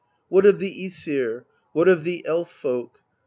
What of the iEsir? What of the Elf folk?